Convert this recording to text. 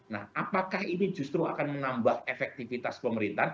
nah apakah ini justru akan menambah efektivitas pemerintahan